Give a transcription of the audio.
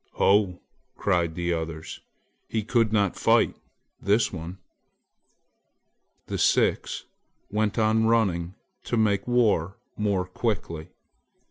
"Ho!" cried the others, "he could not fight, this one!" The six went on running to make war more quickly.